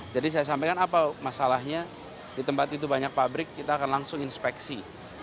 jadi saya sampaikan apa masalahnya di tempat itu banyak pabrik kita akan langsung inspeksi